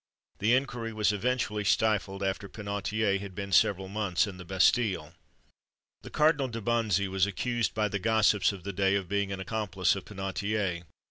The inquiry was eventually stifled, after Penautier had been several months in the Bastille. The Cardinal de Bonzy was accused by the gossips of the day of being an accomplice of Penautier.